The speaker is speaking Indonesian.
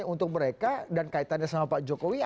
untuk mereka dan kaitannya sama pak jokowi